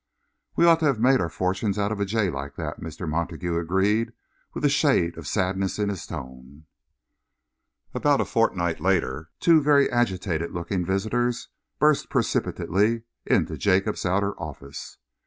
"We ought to have made our fortunes out of a jay like that," Mr. Montague agreed, with a shade of sadness in his tone. About a fortnight later, two very agitated looking visitors burst precipitately into Jacob's outer office. Mr.